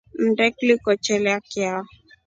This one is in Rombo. Nnde kliko chelya chao.